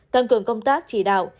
tăng cường công tác chỉ đạo